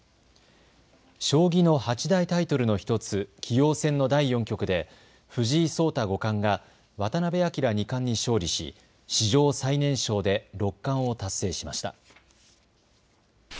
将棋の八大タイトルの１つ、棋王戦の第４局で藤井聡太五冠が渡辺明二冠に勝利し史上最年少で六冠を達成しました。